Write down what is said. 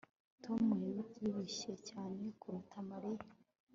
Tom yabyibushye cyane kuruta Mariya